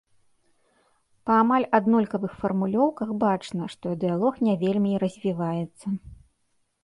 Па амаль аднолькавых фармулёўках бачна, што дыялог не вельмі і развіваецца.